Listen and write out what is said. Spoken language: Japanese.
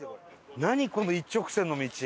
この一直線の道？